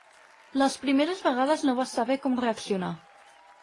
Les primeres vegades no vas saber com reaccionar.